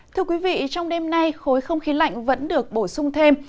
thưa quý vị trong đêm nay khối không khí lạnh vẫn được bổ sung thêm